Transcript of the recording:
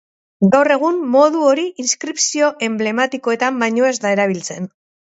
Gaur egun modu hori inskripzio enblematikoetan baino ez da erabiltzen.